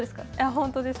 本当です。